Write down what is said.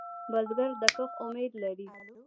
بزګر د کښت امید لري